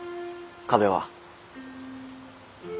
壁は。